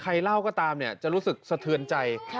เล่าก็ตามเนี่ยจะรู้สึกสะเทือนใจ